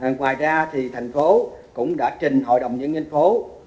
ngoài ra thì thành phố cũng đã trình hội đồng nhân dân phố